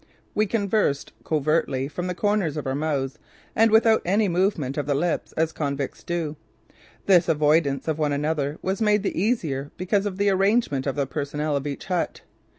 We conversed covertly from the corners of our mouths and without any movement of the lips, as convicts do. This avoidance of one another was made the easier because of the arrangement of the personnel of each hut.